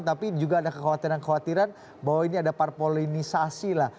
tapi juga ada kekhawatiran kekhawatiran bahwa ini ada parpolinisasi lah